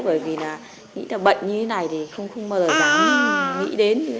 bởi vì là nghĩ là bệnh như thế này thì không bao giờ dám nghĩ đến